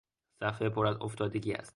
صفحه پر از خط افتادگی است.